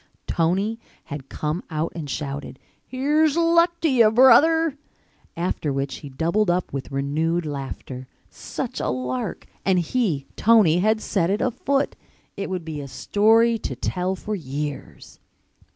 Tony had come out and shouted, "Here's luck to you, brother," after which he doubled up with renewed laughter. Such a lark! And he, Tony, had set it afoot! It would be a story to tell for years.